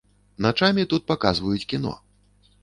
Начамі тут паказваюць кіно.